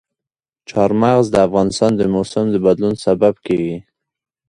چار مغز د افغانستان د موسم د بدلون سبب کېږي.